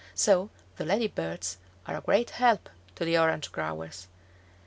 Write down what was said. So the lady birds are a great help to the orange growers.